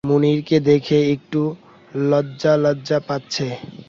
মুনিরকে দেখে একটু লজ্জালজ্জা পাচ্ছে।